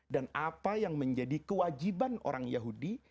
dan apa yang menjadi kewajiban orang yahudi